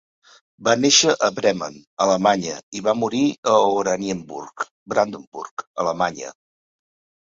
Va néixer a Bremen, Alemanya i va morir a Oranienburg, Brandenburg, Alemanya.